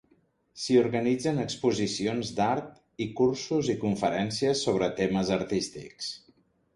S'hi organitzen exposicions d'art i cursos i conferències sobre temes artístics.